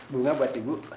bunga buat ibu